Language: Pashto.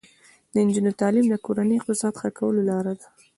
د نجونو تعلیم د کورنۍ اقتصاد ښه کولو لاره ده.